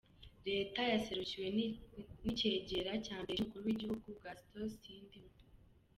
Reta yaserukiwe n'icegera ca mbere c'umukuru w'igihugu Gaston Sindimwo.